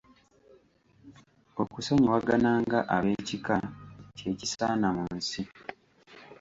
Okusonyiwagana nga abeekika kye kisaana mu nsi.